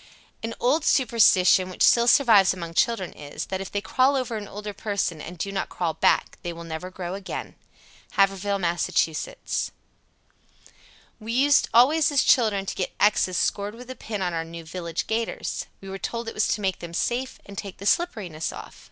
_ 97. An old superstition which still survives among children is, that if they crawl over an older person and do not crawl back they will never grow again. Haverhill, Mass. 98. "We used always as children to get X's scored with a pin on our new 'village gaiters.' We were told it was to make them safe and take the slipperiness off."